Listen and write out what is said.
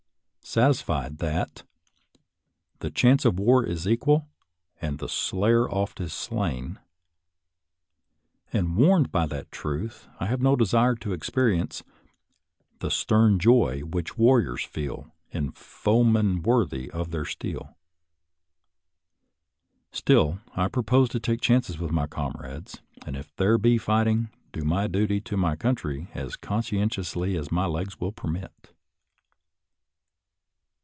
Satisfied that " The chance of war is equal, And the slayer oft Is slain," and, warned by that truth, I have no desire to experience " The stem joy which warriors feel. In foemen worthy of their steel." Still, I propose to take chances with my com rades, and, if there be fighting, do my duty to my country as conscientiously as my legs will per mit.